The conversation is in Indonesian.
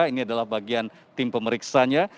ini adalah bagian tim pemeriksanya